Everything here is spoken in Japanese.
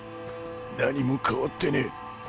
何も変わってねえ。